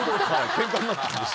ケンカになったんです。